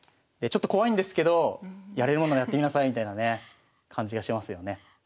ちょっと怖いんですけどやれるもんならやってみなさいみたいなね感じがしますよね。